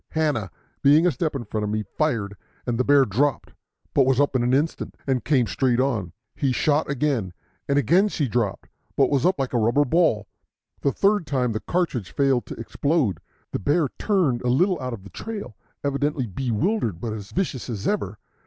Hanna, being a step in front of me, fired, and the bear dropped, but was up in an instant and came straight on. He shot again, and again she dropped, but was up like a rubber ball. The third time the cartridge failed to explode. The bear turned a little out of the trail, evidently bewildered, but as vicious as ever.